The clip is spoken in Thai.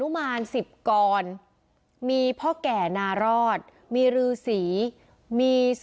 อุทธิวัฒน์อิสธิวัฒน์